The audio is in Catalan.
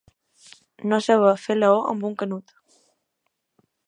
No saber fer la «o» amb un canut.